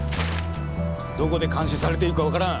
どこで監視されているかわからん。